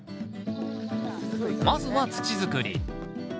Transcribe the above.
まずは土づくり。